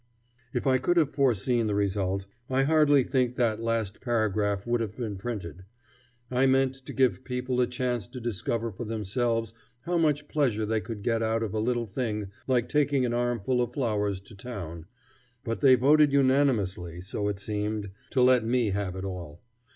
If I could have foreseen the result, I hardly think that last paragraph would have been printed. I meant to give people a chance to discover for themselves how much pleasure they could get out of a little thing like taking an armful of flowers to town, but they voted unanimously, so it seemed, to let me have it all.